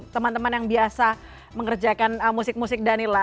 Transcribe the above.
teman teman yang biasa mengerjakan musik musik danila